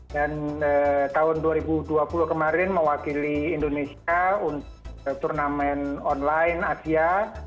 tahun dua ribu dua puluh kemarin mewakili indonesia untuk turnamen online asia